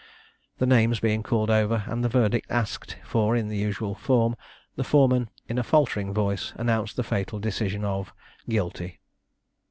The names being called over, and the verdict asked for in the usual form, the foreman in a faltering voice, announced the fatal decision of Guilty.